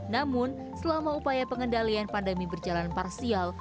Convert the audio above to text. namun selama upaya pengendalian pandemi berjalan parsial